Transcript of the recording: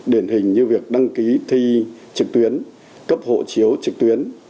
điển hình như việc đăng ký thi trực tuyến cấp hộ chiếu trực tuyến